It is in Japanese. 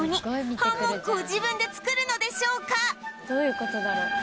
「どういう事だろう？」